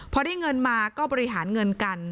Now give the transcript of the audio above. พอได้เงินมาก็บริหารเงินกัน